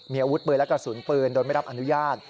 มีอาวุธปืนและกระสุนปืนโดยไม่รับอนุญาต